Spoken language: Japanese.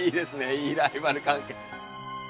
いいライバル関係。